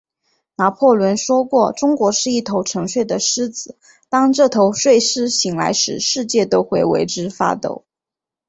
拿破仑说过，中国是一头沉睡的狮子，当这头睡狮醒来时，世界都会为之发抖。